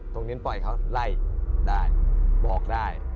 ตรงนี้ปล่อยเขาไล่ได้บอกได้